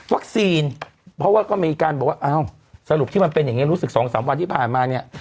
เพราะว่าก็มีการบอกว่าอ้าวสรุปที่มันเป็นอย่างนี้รู้สึก๒๓วันที่ผ่านมาเนี่ย